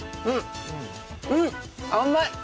うん、甘い。